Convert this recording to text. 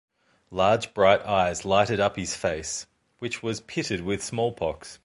Large bright eyes lighted up his face, which was pitted with smallpox.